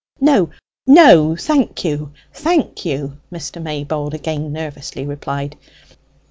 "No, no; thank you, thank you," Mr. Maybold again nervously replied.